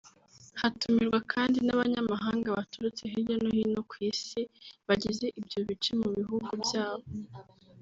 Hatumirwa kandi n’abanyamahanga baturutse hirya no hino ku isi bagize ibyo bice mu bihugu byabo